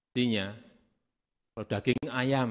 maksudnya kalau daging ayam